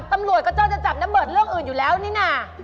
ตำรวจก็จ้องจะจับน้ำเบิดเรื่องอื่นอยู่แล้วนี่น่ะ